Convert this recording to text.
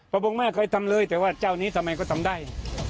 พระองค์แม่เคยทำเลยแต่ว่าเจ้านี้ทำไมก็ทำได้